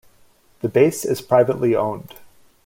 The base is privately owned.